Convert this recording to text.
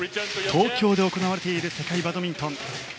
東京で行われている世界バドミントン。